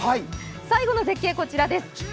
最後の絶景こちらです。